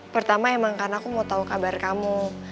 pertama emang karena aku mau tahu kabar kamu